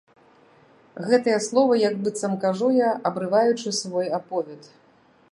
Гэтыя словы як быццам кажу я, абрываючы свой аповед.